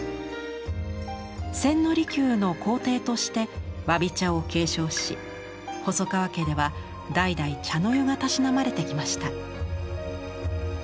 千利休の高弟としてわび茶を継承し細川家では代々茶の湯がたしなまれてきました。